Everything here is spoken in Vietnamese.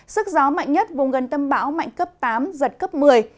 sức gió mạnh nhất vùng gần tâm bão mạnh cấp tám giật cấp một mươi